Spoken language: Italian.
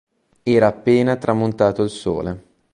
Era appena tramontato il sole.